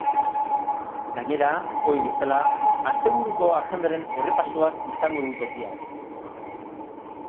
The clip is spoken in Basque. Gainera, ohi bezala, asteburuko agendaren errepasoak izango du tokia.